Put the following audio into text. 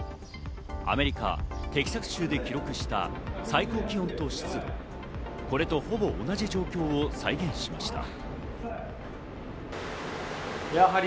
アメリカ・テキサス州で記録した最高気温と湿度、これとほぼ同じ状況を再現しました。